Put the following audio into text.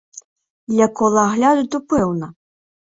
Для кола агляду то пэўна!